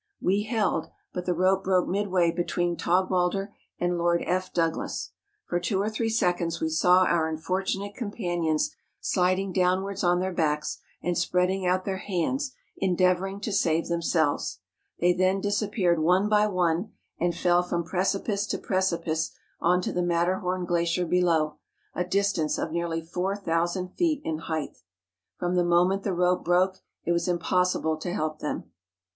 We held, but the rope broke midway between Taug walder and Lord F. Douglas. For two or three seconds we saw our unfortunate companions sliding downwards on their backs, and spreading out their hands endeavouring to save themselves; they then disappeared one by one, and fell from precipice to pre THE MATTERHORN. 105 cipice on to the Matterhorn glacier below, a distance of nearly 4000 feet in height. From the moment the rope broke it was impossible to help them.